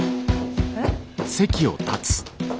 えっ？